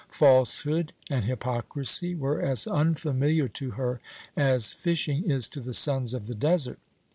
Falsehood and hypocrisy were as unfamiliar to her as fishing is to the sons of the desert.